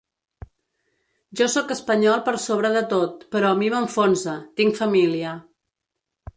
Jo sóc espanyol per sobre de tot, però a mi m’enfonsa, tinc família.